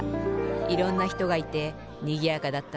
いろんなひとがいてにぎやかだったわ。